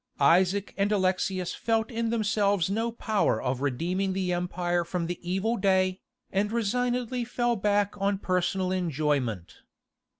Isaac and Alexius felt in themselves no power of redeeming the empire from the evil day, and resignedly fell back on personal enjoyment.